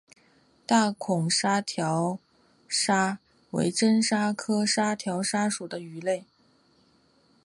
大孔沙条鲨为真鲨科沙条鲨属的鱼类。